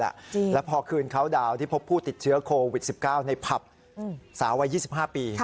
แล้วพอคืนเขาดาวน์ที่พบผู้ติดเชื้อโควิด๑๙ในผับสาววัย๒๕ปี